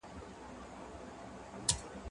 زه د کتابتون کتابونه نه لوستل کوم!؟